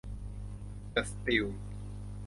เดอะ สตีล